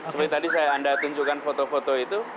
seperti tadi saya anda tunjukkan foto foto itu